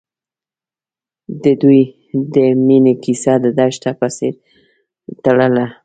د دوی د مینې کیسه د دښته په څېر تلله.